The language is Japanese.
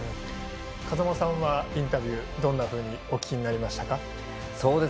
風間さんはインタビューどうお聞きになりましたか。